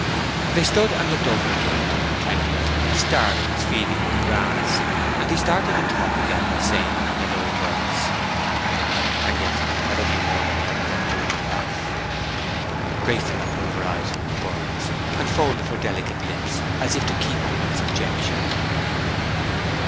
They stood and looked over a gate at twenty or thirty starlings feeding in the grass, and he started the talk again by saying, in a low voice, "And yet I love you more than ever I loved you in my life." Grace did not move her eyes from the birds, and folded her delicate lips as if to keep them in subjection.